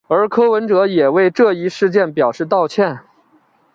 而柯文哲也为这一事件表示道歉。